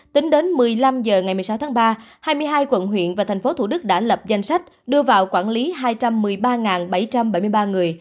tính đến một mươi năm h ngày một mươi sáu tháng ba hai mươi hai quận huyện và thành phố thủ đức đã lập danh sách đưa vào quản lý hai trăm một mươi ba bảy trăm bảy mươi ba người